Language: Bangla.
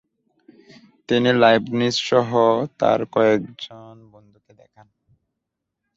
তিনি লাইবনিজ সহ তার কয়েকজান বন্ধুকে দেখান।